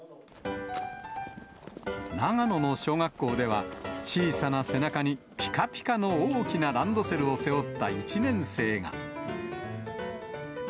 長野の小学校では、小さな背中にぴかぴかの大きなランドセルを背負った１年生が。